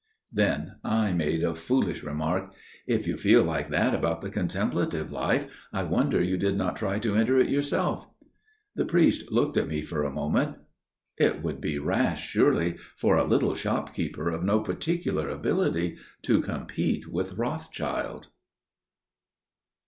Then I made a foolish remark. "If you feel like that about the Contemplative Life, I wonder you did not try to enter it yourself." The priest looked at me for a moment. "It would be rash, surely, for a little shopkeeper of no particular ability to compete with Rothschild."